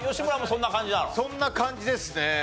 そんな感じですね。